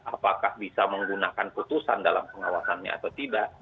apakah bisa menggunakan putusan dalam pengawasannya atau tidak